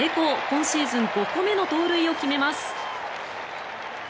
今シーズン５個目の盗塁を決めます。